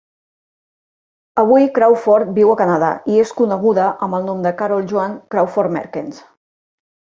Avui Crawford viu a Canadà, i es coneguda amb el nom de Carole Joan Crawford-Merkens.